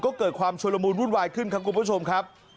ก็เกิดความชุลมูลวุ่นวายขึ้นครับคุณผู้ชมครับ